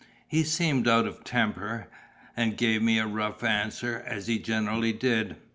He seemed out of temper, and gave me a rough answer; as he generally did.